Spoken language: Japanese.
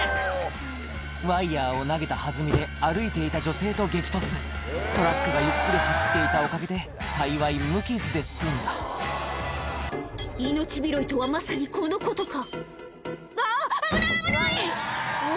ワイヤを投げた弾みで歩いていた女性と激突トラックがゆっくり走っていたおかげで幸い無傷で済んだ命拾いとはまさにこのことかあぁ危ない危ない！